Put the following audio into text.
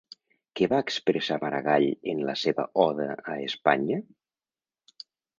Què va expressar Maragall en la seva Oda a Espanya?